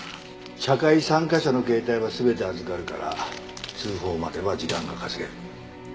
茶会参加者の携帯は全て預かるから通報までは時間が稼げる。